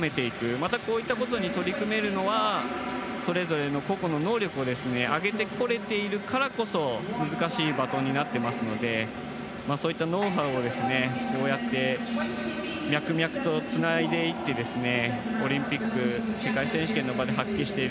またこういったことに取り組めるのはそれぞれの個々の能力を上げてこれているからこそ難しいバトンになっていますのでそういったノウハウをこうやって脈々とつないでいってオリンピック世界選手権の場で発揮している。